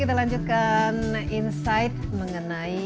kita lanjutkan insight mengenai